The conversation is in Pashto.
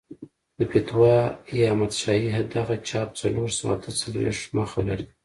د فتاوی احمدشاهي دغه چاپ څلور سوه اته څلوېښت مخه لري.